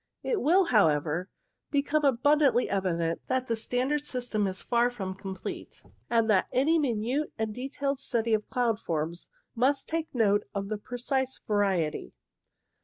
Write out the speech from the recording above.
It will, however, become abun dantly evident that the standard system is far from complete, and that any minute and detailed study of cloud form must take note of the precise variety.